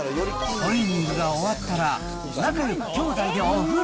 トレーニングが終わったら仲よく兄弟でお風呂。